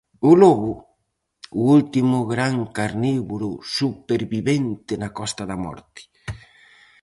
O lobo, o último gran carnívoro supervivente na Costa da Morte.